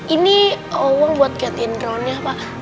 ini uang buat get in dronnya pak